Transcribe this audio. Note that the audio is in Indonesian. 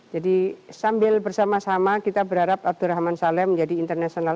jadi sambil bersama sama kita berharap abdurrahman saleh menjadi internasional